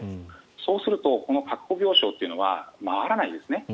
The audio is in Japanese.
そうすると、確保病床というのは回らないですね。